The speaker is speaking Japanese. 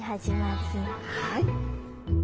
はい。